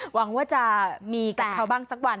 หวังว่าจะมีกับเขาบ้างสักวัน